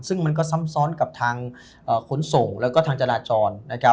ซึ่งมันส้ำซ้อนกับทางขนสงและทางจราจร